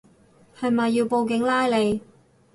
係咪要報警拉你